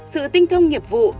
sự tinh thông nghiệp vụ